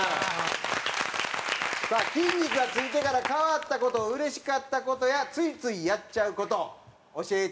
さあ筋肉がついてから変わった事うれしかった事やついついやっちゃう事教えてください。